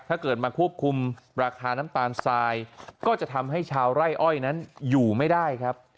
ถ้าเกิดมาควบคุมราคาน้ำตาลทรายก็จะทำให้ชาวไร่อ้อยนั้นอยู่ไม่ได้ครับ